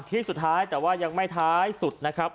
ที่สุดท้ายแต่ว่ายังไม่ท้ายสุดนะครับ